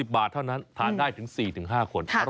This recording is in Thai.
บาทเท่านั้นทานได้ถึง๔๕คน